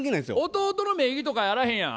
弟の名義とかあらへんやん。